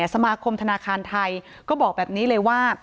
สมาคมธนาคารไทยก็บอกแบบนี้เลยว่า